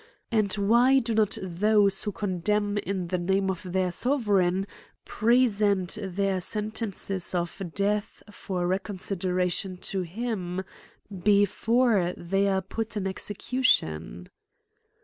And why do not those who condemn in the name of their sove reign, present their sentences of death for recon, sideration to him, before they are put in ejcecution!